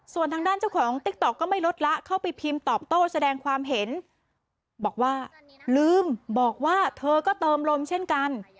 ส่วนทางด้านเจ้าของติ๊กต๊อกก็ไม่ลดละเข้าไปพิมพ์ตอบโต้แสดงความเห็นบอกว่าลืมบอกว่าเธอก็เติมลมเช่นกัน